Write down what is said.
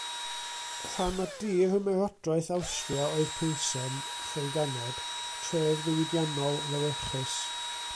Rhan o dir Ymerodraeth Awstria oedd Pilsen, lle'i ganed, tref ddiwydiannol, lewyrchus.